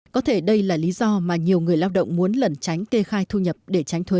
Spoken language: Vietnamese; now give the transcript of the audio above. có thể đây là lý do mà nhiều người lao động muốn lẩn tránh kê khai thu nhập để tránh thuế